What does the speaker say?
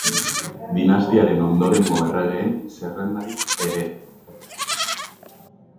Dinastiaren ondorengo erregeen zerrendarik ere.